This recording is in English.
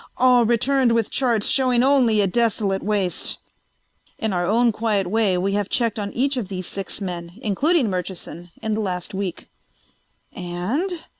All returned with charts showing only a desolate waste. In our own quiet way we have checked on each of these six men, including Murchison, in the last week." "And